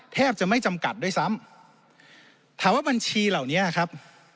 แทบจะไม่จำกัดด้วยซ้ำถามว่าบัญชีเหล่านี้ครับ